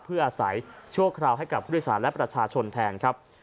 เพื่ออาศัยชั่วคราวให้กับผู้โดยสารและประชาชนแทนครับ